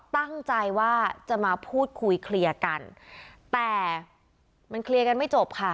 ตั้งใจว่าจะมาพูดคุยเคลียร์กันแต่มันเคลียร์กันไม่จบค่ะ